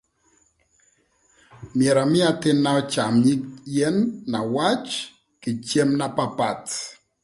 Myero amïï athïn-na öcam nyig yen na wac kï cem na paapth.